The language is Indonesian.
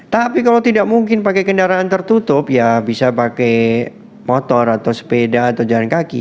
tapi kalau tidak mungkin pakai kendaraan tertutup ya bisa pakai motor atau sepeda atau jalan kaki